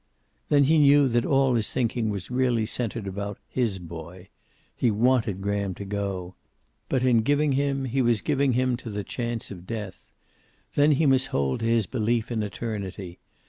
Then he knew that all his thinking was really centered about his boy. He wanted Graham to go. But in giving him he was giving him to the chance of death. Then he must hold to his belief in eternity.